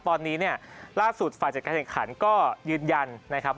ตอนนี้เนี่ยล่าสุดฝ่ายจัดการแข่งขันก็ยืนยันนะครับ